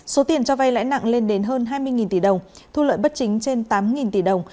số tiền cho vay lãi nặng lên đến hơn hai mươi tỷ đồng thu lợi bất chính trên tám tỷ đồng